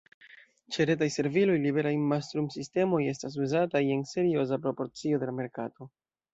Ĉe retaj serviloj, liberaj mastrumsistemoj estas uzataj en serioza proporcio de la merkato.